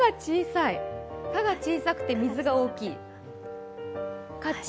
「化」が小さくて「水」が大きい。